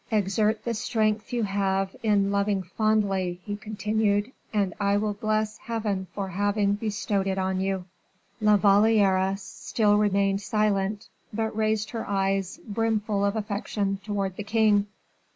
"Exert the strength you have in loving fondly," he continued, "and I will bless Heaven for having bestowed it on you." La Valliere still remained silent, but raised her eyes, brimful of affection, toward the king.